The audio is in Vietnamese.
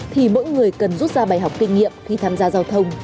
thì mỗi người cần rút ra bài học kinh nghiệm khi tham gia giao thông